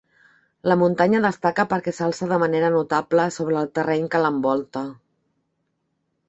La muntanya destaca perquè s'alça de manera notable sobre el terreny que l'envolta.